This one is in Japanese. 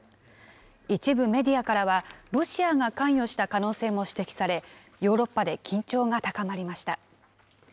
一部メディアからは、ロシアが関与した可能性も指摘され、ヨーロッパで緊張が高まりました。